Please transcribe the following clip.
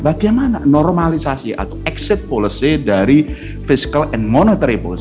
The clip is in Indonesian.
bagaimana normalisasi atau exit policy dari fiscal and monetary policy